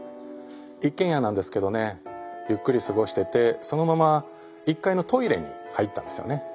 一軒家なんですけどねゆっくり過ごしててそのまま１階のトイレに入ったんですよね。